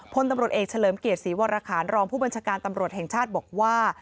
พลตำรวจเอกเฉลิมเกียรติศรีวรคารรองผู้บัญชาการตำรวจแห่งชาติบอกว่า